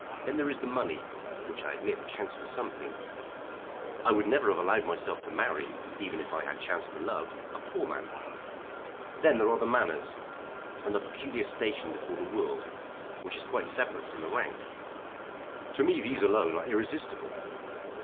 Then there is the money, which I admit counts for something. I would never have allowed myself to marry even if I had chanced to love a poor man. Then there are the manners, and the peculiar station before the world, which is quite separate from the rank. To me these alone are irresistible.